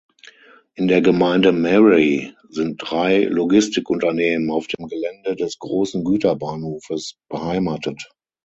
In der Gemeinde Merrey sind drei Logistikunternehmen auf dem Gelände des großen Güterbahnhofes beheimatet.